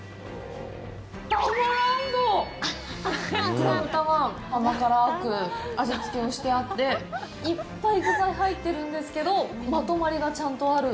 黒豚が甘辛く味付けをしてあっていっぱい具材入ってるんですけどまとまりがちゃんとある。